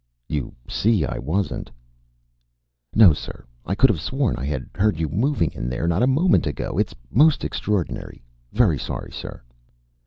"You see I wasn't." "No, sir. I could have sworn I had heard you moving in there not a moment ago. It's most extraordinary... very sorry, sir."